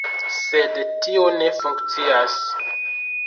Sed tio ne funkcias.